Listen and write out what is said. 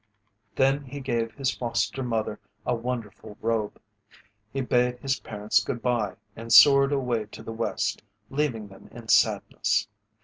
Then he gave to his foster mother a wonderful robe. He bade his parents good bye, and soared away to the west, leaving them in sadness.